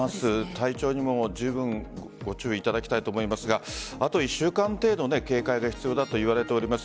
体調にもじゅうぶんご注意いただきたいと思いますがあと１週間程度警戒が必要だといわれております。